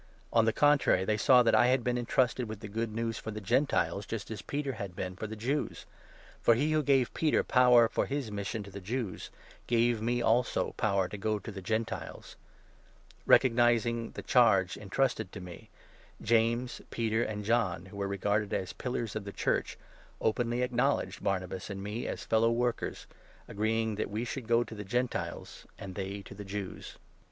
On the contrary, they saw that I had been entrusted with the 7 Good News for the Gentiles, just as Peter had been for the Jews. For he who gave Peter power for his mission to the 8 Jews gave me, also, power to go to the Gentiles. Recognizing 9 the charge entrusted to me, James, Peter, and John, who were regarded as pillars of the Church, openly acknowledged Barnabas and me as fellow workers, agreeing that we should go to the Gentiles, and they to the Jews.